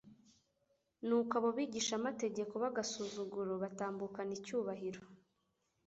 Nuko abo bigishamategeko b'agasuzuguro batambukana icyubahiro,